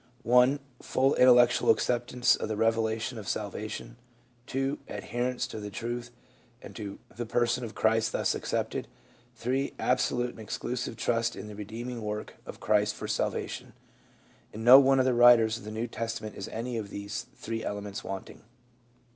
(1) fall intellectual acceptance of the revela tion of salvation ; (2) adherence to the truth and to the per son of Christ thus accepted ; (3) absolute and exclusive trust in the redeeming work of Christ for salvation. In no one of the writers of the New Testament is any of these three elements wanting."